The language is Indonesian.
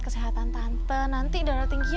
kesehatan tante nanti darah tingginya